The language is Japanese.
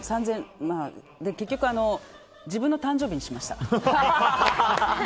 結局、自分の誕生日にしました。